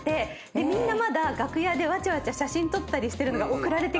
みんなまだ楽屋でわちゃわちゃ写真撮ったりしてるのが送られてきたりするんですよ。